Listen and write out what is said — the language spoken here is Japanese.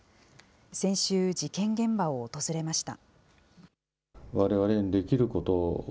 先週、事件現場を訪れました。